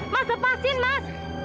mas lepasin mas